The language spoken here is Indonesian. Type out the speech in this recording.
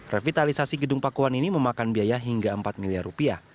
revitalisasi gedung pakuan ini memakan biaya hingga empat miliar rupiah